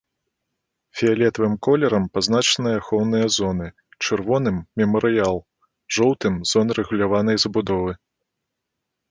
Фіялетавым колерам пазначаныя ахоўныя зоны, чырвоным мемарыял, жоўтым зона рэгуляванай забудовы.